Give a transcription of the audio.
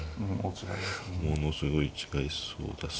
ものすごい近そうだし。